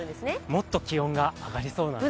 もっと気温が上がりそうなんですね。